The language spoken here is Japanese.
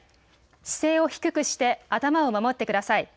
姿勢を低くして頭を守ってください。